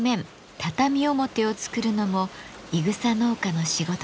畳表を作るのもいぐさ農家の仕事です。